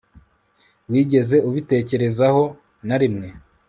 wigeze ubitekerezaho narimwe